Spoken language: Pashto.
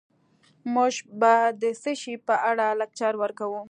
موږ به د څه شي په اړه لکچر ورکوو